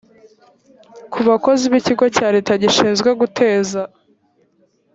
ku bakozi b ikigo cya leta gishinzwe guteza